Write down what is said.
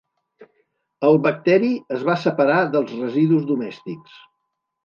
El bacteri es va separar dels residus domèstics.